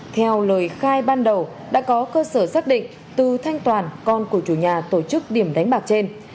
theo lời khai ban đầu đã có cơ sở xác định từ thanh toàn con của chủ nhà tổ chức điểm đánh bạc trên